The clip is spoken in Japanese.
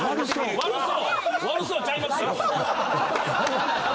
「悪そう」ちゃいますよ！